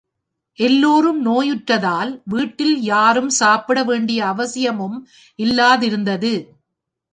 எல்லோரும் நோயுற்றதால், வீட்டில் யாரும் சாப்பிட வேண்டிய அவசியமும் இல்லாதிருந்தது.